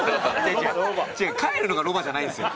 帰るのがロバじゃないんですよ。